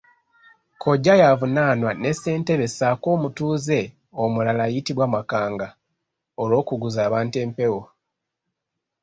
Kkojja yavunaanwa ne Ssentebe ssaako omutuuze omulala ayitibwa Makanga olw'okuguza abantu empewo.